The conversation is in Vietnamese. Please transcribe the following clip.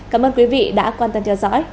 cảm ơn quý vị đã quan tâm theo dõi